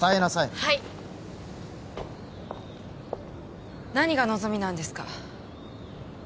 はい何が望みなんですか？